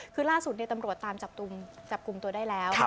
คือล่าสุดตำรวจตามจับกลุ่มตัวได้แล้ว